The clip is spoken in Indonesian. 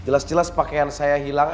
jelas jelas pakaian saya hilang